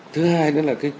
thứ hai đó là cái